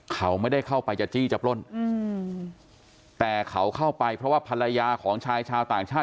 เขาไม่ได้เข้าไปจะจี้จะปล้นแต่เขาเข้าไปเพราะว่าภรรยาของชายชาวต่างชาติ